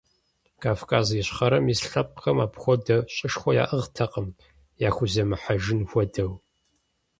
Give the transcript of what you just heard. Кавказ Ищхъэрэм ис лъэпкъхэм апхуэдэу щӀышхуэ яӀыгътэкъым, яхуземыхьэжын хуэдэу.